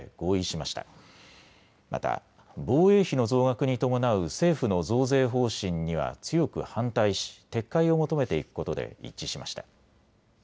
また防衛費の増額に伴う政府の増税方針には強く反対し撤回を求めていくことで一致しました。